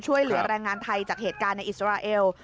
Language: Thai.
ช่วยเหลือแรงงานไทยจากเหตุการณ์ในอิสราเอล